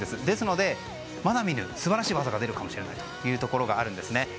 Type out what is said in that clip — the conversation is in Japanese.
ですので、まだ見ぬ素晴らしい技が出るかもしれないというところがあるんですね。